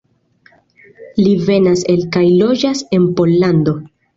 Li venas el kaj loĝas en Pollando.